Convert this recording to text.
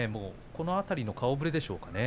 この辺りの顔ぶれでしょうかね。